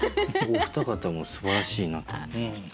お二方もすばらしいなと思いました。